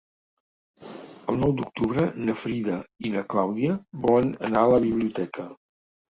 El nou d'octubre na Frida i na Clàudia volen anar a la biblioteca.